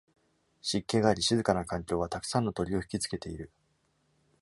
湿気があり、静かな環境はたくさんの鳥を引き付けている。